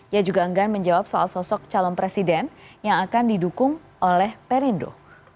ia juga enggan menjawab soal sosok calon presiden yang akan didukung oleh perindo